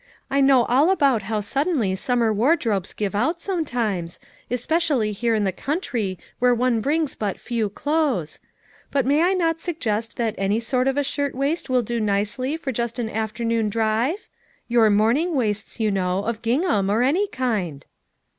I know all about how suddenly summer ward robes give out sometimes, especially here in the country where one brings but few clothes; but may I not suggest that any sort of a shirt waist will do nicely for just an afternoon drive? Your morning waists, you know, of gingham, or any kind."